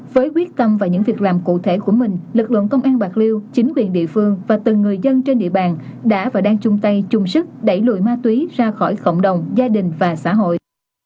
với quyết tâm và những việc làm cụ thể của mình lực lượng công an bạc liêu chính quyền địa phương và từng người dân trên địa bàn đã và đang chung tay chung sức đẩy lùi ma túy ra khỏi cộng đồng gia đình và xã hội